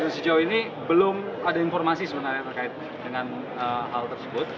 sejauh ini belum ada informasi sebenarnya terkait dengan hal tersebut